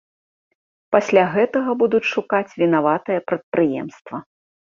Пасля гэтага будуць шукаць вінаватае прадпрыемства.